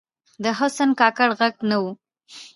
د حسن کاکړ ږغ نه و